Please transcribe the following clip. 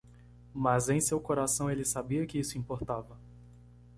Mas em seu coração ele sabia que isso importava.